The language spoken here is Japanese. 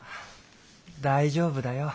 大丈夫だよ。